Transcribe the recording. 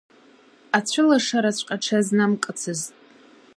Ацәылашараҵәҟьа аҽазнамкыцызт.